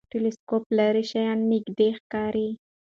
ټلسکوپ لرې شیان نږدې ښکاري.